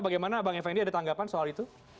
bagaimana bang effendi ada tanggapan soal itu